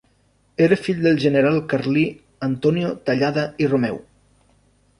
Era fill del general carlí Antonio Tallada i Romeu.